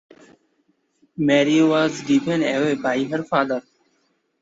Mary was given away by her father.